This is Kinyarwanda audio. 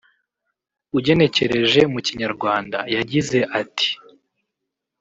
ugenekereje mu Kinyarwanda yagize ati